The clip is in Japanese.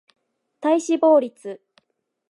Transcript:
体脂肪率